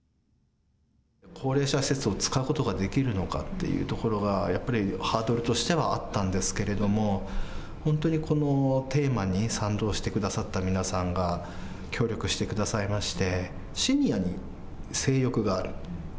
高齢者施設を使うことができるのかっていうところがやっぱりハードルとしてはあったんですけれども、本当にこのテーマに賛同してくださった皆さんが協力してくださいまして。